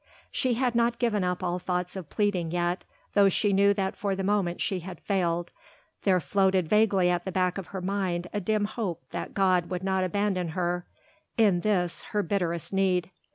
She had not given up all thoughts of pleading yet; though she knew that for the moment she had failed, there floated vaguely at the back of her mind a dim hope that God would not abandon her in this her bitterest need.